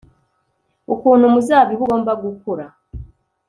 Ukuntu umuzabibu ugomba gukura